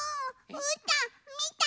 うーたんみてる。